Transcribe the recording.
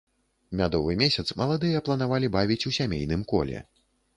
Мядовы месяц маладыя планавалі бавіць у сямейным коле.